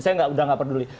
saya udah gak peduli